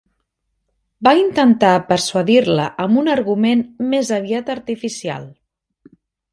Va intentar persuadir-la amb un argument més aviat artificial